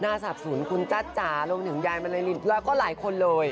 หน้าสะสุนคุณจ๊ะร่วมถึงยายมะลายลินแล้วก็หลายคนเลย